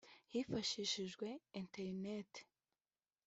Hifashishijwe internet